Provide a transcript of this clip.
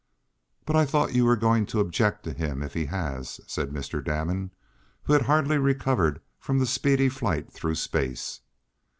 "But I thought you were going to object to him if he has," said Mr. Damon, who had hardly recovered from the speedy flight through space.